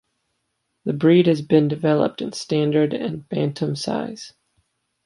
The breed has been developed in standard and bantam size.